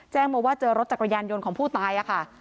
มาว่าเจอรถจักรยานยนต์ของผู้ตายค่ะ